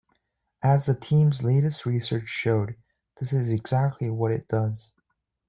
As the team's latest research showed, that is exactly what it does.